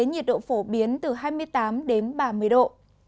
nhiệt độ phổ biến từ hai mươi tám đến ba mươi độ